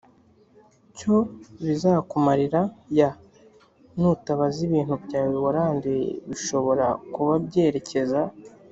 cyo bizakumarira y nutabaza ibintu byawe warundaye bishobora kuba byerekeza